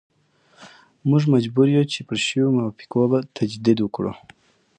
موږ مجبور یو چې پر شویو موافقو باندې تجدید نظر وکړو.